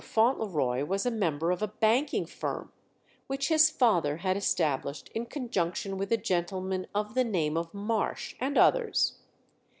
Fauntleroy was a member of a banking firm, which his father had established in conjunction with a gentleman of the name of Marsh, and others.